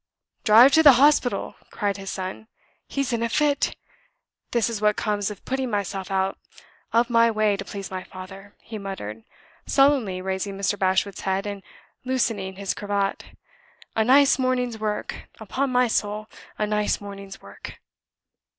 "Drive to the hospital!" cried his son. "He's in a fit. This is what comes of putting myself out of my way to please my father," he muttered, sullenly raising Mr. Bashwood's head, and loosening his cravat. "A nice morning's work. Upon my soul, a nice morning's work!"